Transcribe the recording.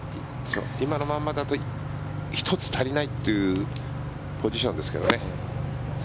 今のままだと１つ足りないというポジションですけどね。